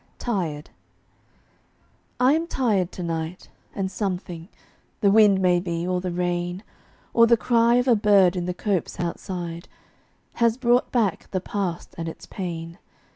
TIRED. I am tired to night, and something, The wind maybe, or the rain, Or the cry of a bird in the copse outside, Has brought back the past and its pain.